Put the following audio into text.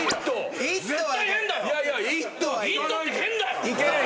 「イット」って変だよ！